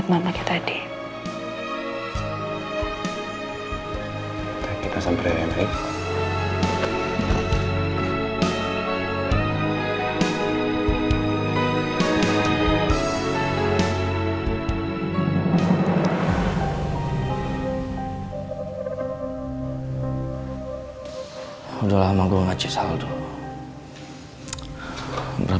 sampai jumpa di video selanjutnya